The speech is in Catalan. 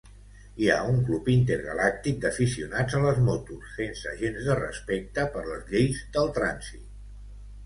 Hi ha un club intergalàctic d'aficionats a les motos sense gens de respecte per les lleis del trànsit.